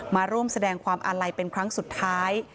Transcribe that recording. มาร่วมแสดงความอาลัยเป็นครั้งสุดท้าย